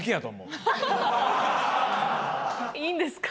いいんですか？